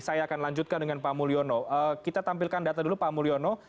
saya akan lanjutkan dengan pak mulyono kita tampilkan data dulu pak mulyono